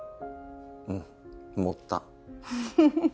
うん盛った。